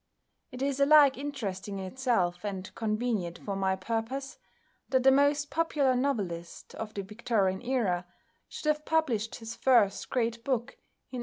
It is alike interesting in itself and convenient for my purpose that the most popular novelist of the Victorian era should have published his first great book in 1837.